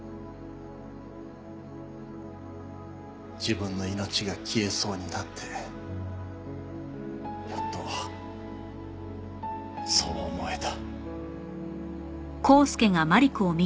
自分の命が消えそうになってやっとそう思えた。